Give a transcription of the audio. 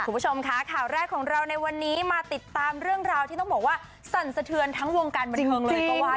คุณผู้ชมค่ะข่าวแรกของเราในวันนี้มาติดตามเรื่องราวที่ต้องบอกว่าสั่นสะเทือนทั้งวงการบันเทิงเลยก็ว่า